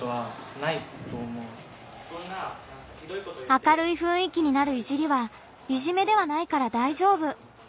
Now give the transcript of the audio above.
「明るいふんい気になるいじりはいじめではないから大丈夫」。